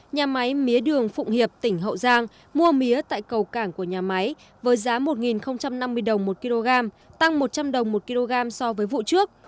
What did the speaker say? nhà máy mía đường phụng hiệp tỉnh hậu giang mua mía tại cầu cảng của nhà máy với giá một năm mươi đồng một kg tăng một trăm linh đồng một kg so với vụ trước